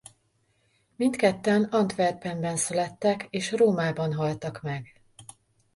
Mindketten Antwerpenben születtek és Rómában haltak meg.